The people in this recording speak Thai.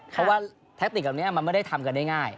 เพราะว่าแทคติกเหล่านี้มันไม่ได้ทำกันได้ง่าย